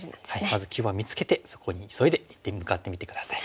まず急場を見つけてそこに急いで向かってみて下さい。